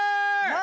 何？